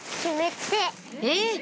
えっ？